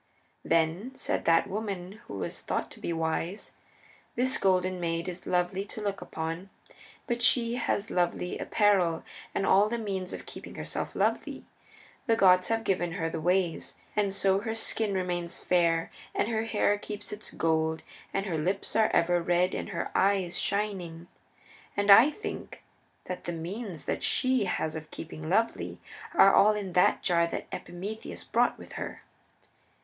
Then said that woman who was thought to be wise, "This Golden Maid is Lovely to look upon because she has lovely apparel and all the means of keeping herself lovely. The gods have given her the ways, and, so her skin remains fair, and her hair keeps its gold, and her lips are ever red and her eyes shining. And I think that the means that she has of keeping lovely are all in that jar that Epimetheus brought with her."